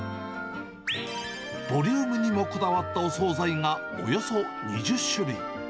ボリュームにもこだわったお総菜がおよそ２０種類。